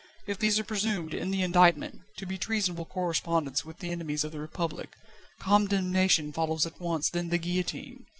If these are presumed, in the indictment, to be treasonable correspondence with the enemies of the Republic, condemnation follows at once, then the guillotine.